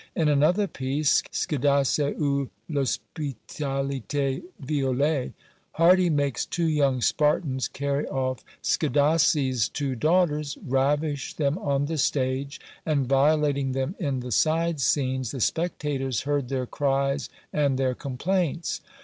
In another piece, "Scedase, ou l'hospitalité violée," Hardi makes two young Spartans carry off Scedase's two daughters, ravish them on the stage, and, violating them in the side scenes, the spectators heard their cries and their complaints.